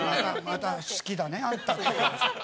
好きだね、あんたって。